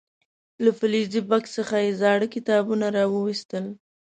له فلزي بکس څخه یې زاړه کتابونه راو ویستل.